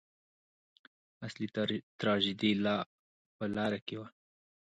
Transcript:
اصلي تراژیدي لا په لاره کې وه.